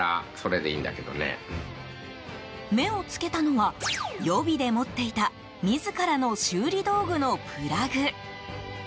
目をつけたのは予備で持っていた自らの修理道具のプラグ。